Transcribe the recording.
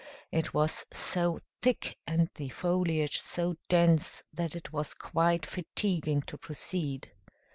It was so thick, and the foliage so dense, that it was quite fatiguing to proceed.